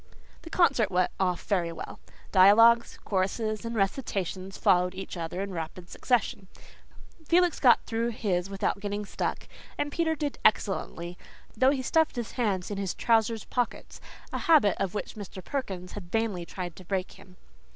The concert went off very well. Dialogues, choruses and recitations followed each other in rapid succession. Felix got through his without "getting stuck," and Peter did excellently, though he stuffed his hands in his trousers pockets a habit of which Mr. Perkins had vainly tried to break him.